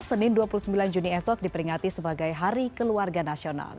senin dua puluh sembilan juni esok diperingati sebagai hari keluarga nasional